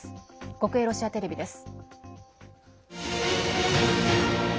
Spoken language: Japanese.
国営ロシアテレビです。